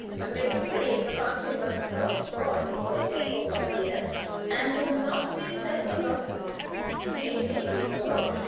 "They say, because he was so fond of Herr Courvoisier, and would not be set above him. It may be so.